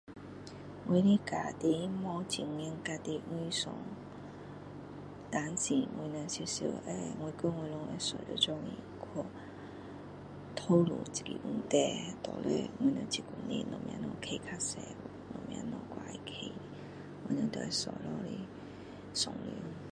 我的家庭没有很严格的预算但是我们常常会我跟我老公会坐在一起去讨论这个问题到底我们这个月什么东西花比较多去什么东西还要花我们都会做下来商量